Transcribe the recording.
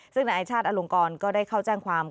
ซึ่งนายชาติอลงกรก็ได้เข้าแจ้งความ